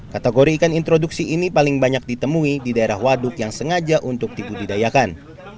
kategori ikan introduksi ini paling banyak ditemui di daerah waduk yang sengaja untuk dibudidayakan